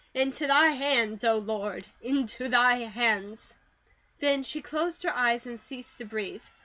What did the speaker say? "Into thy hands, O Lord, into thy hands!" Then she closed her eyes and ceased to breathe.